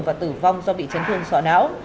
và tử vong do bị chấn thương sọ não